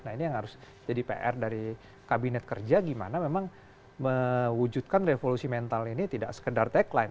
nah ini yang harus jadi pr dari kabinet kerja gimana memang mewujudkan revolusi mental ini tidak sekedar tagline